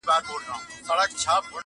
وایي تم سه خاطرې دي راته وایي -